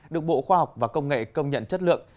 được bộ khoa học và công nghệ công nhận chất lượng